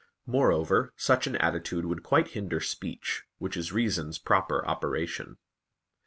Moreover, such an attitude would quite hinder speech, which is reason's proper operation.